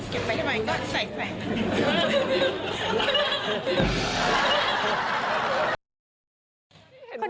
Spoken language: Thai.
เก็บไว้ทำไมก็ใส่แปลง